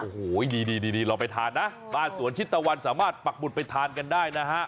โอ้โหดีเราไปทานนะบ้านสวนชิดตะวันสามารถปักหุดไปทานกันได้นะฮะ